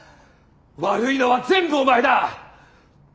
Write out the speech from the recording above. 悪いのは全部お前だ。